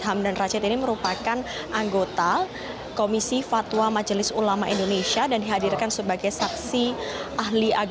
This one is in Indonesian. hamdan rashid ini merupakan anggota komisi fatwa majelis ulama indonesia dan dihadirkan sebagai saksi ahli